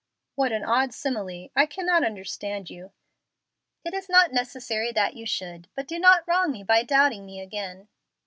"What an odd simile! I cannot understand you." "It is not necessary that you should, but do not wrong me by doubting me again."